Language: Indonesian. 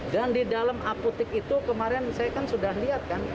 dan di dalam apotek itu kemarin saya kan sudah lihat kan